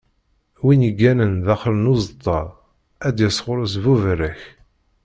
Win i yegganen daxel n uzeṭṭa, ad d-yas ɣur-s buberrak.